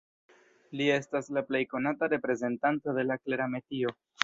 Li estas la plej konata reprezentanto de la Klera metio.